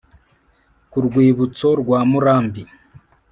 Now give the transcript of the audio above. Ku rwibutso rwa Murambi